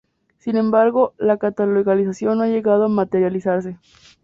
Sin embargo, la catalogación no ha llegado a materializarse.